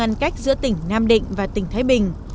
có phao ngăn cách giữa tỉnh nam định và tỉnh thái bình